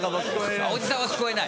おじさんは聞こえない。